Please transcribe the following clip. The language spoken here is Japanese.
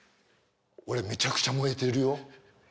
俺めちゃくちゃ燃えてるよ。